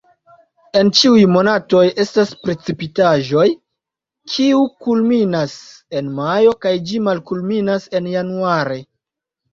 En ĉiuj monatoj estas precipitaĵoj, kiu kulminas en majo kaj ĝi malkulminas en januare.